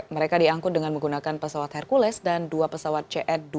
mereka diangkut dengan menggunakan pesawat hercules dan dua pesawat c dua ratus tiga puluh lima